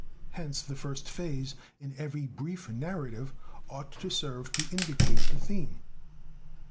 "Hence the first phase in every brief narrative ought to serve to indicate the theme.